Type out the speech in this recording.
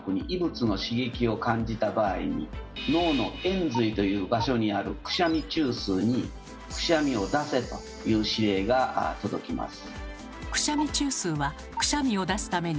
脳の延髄という場所にある「くしゃみ中枢」に「くしゃみを出せ！」という指令が届きます。